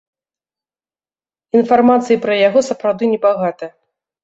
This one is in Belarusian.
Інфармацыі пра яго сапраўды небагата.